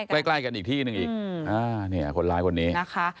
อยู่ใกล้กันอีกที่นึงอีกคนร้ายคนนี้นะคะ